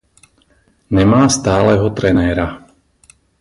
Nemá stálého trenéra.